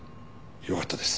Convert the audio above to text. よかったです。